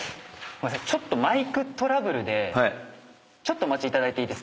ちょっとマイクトラブルでちょっとお待ちいただいて。